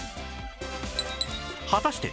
果たして